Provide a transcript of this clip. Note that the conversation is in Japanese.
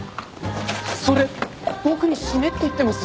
それ僕に死ねって言ってます？